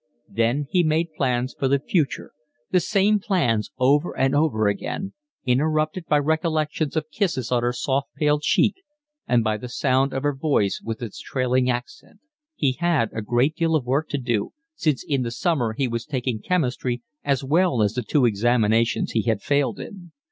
Then he made plans for the future, the same plans over and over again, interrupted by recollections of kisses on her soft pale cheek and by the sound of her voice with its trailing accent; he had a great deal of work to do, since in the summer he was taking chemistry as well as the two examinations he had failed in.